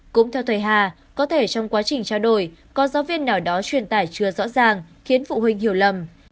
cũng theo thầy hà có thể trong quá trình trao đổi có giáo viên nào đó truyền tải chưa rõ ràng khiến phụ huynh hiểu lầm